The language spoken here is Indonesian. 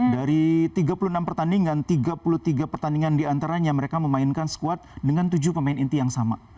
dari tiga puluh enam pertandingan tiga puluh tiga pertandingan diantaranya mereka memainkan squad dengan tujuh pemain inti yang sama